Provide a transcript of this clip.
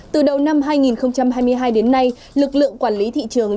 từ đầu năm hai nghìn hai mươi hai đến nay lực lượng quản lý thị trường